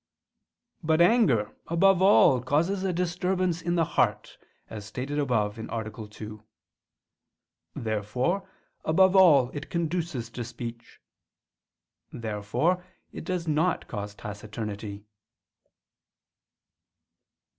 But anger, above all, causes a disturbance in the heart, as stated above (A. 2). Therefore above all it conduces to speech. Therefore it does not cause taciturnity.